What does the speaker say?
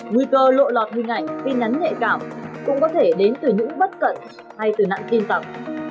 nguy cơ lộ lọt hình ảnh tin nhắn nhạy cảm cũng có thể đến từ những bất cận hay từ nặng tin tầm